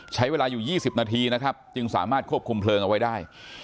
ใช้เวลาอยู่๒๐นาทีนะครับจึงสามารถควบคุมเพลิงเอาไว้ได้